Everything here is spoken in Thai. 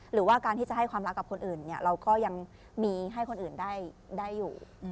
หรือว่าการที่จะให้ความรักกับคนอื่นเราก็ยังมีให้คนอื่นได้อยู่